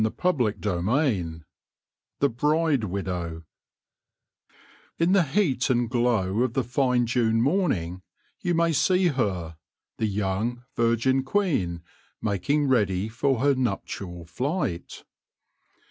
CHAPTER VIII THE BRIDE WIDOW IN the heat and glow of the fine June morning you may see her, the young virgin queen, making ready for her nuptial flight.